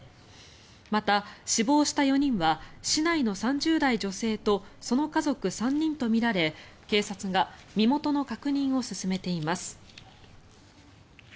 また、死亡した４人は市内の３０代女性とその家族３人とみられ警察が身元の確認を進めています。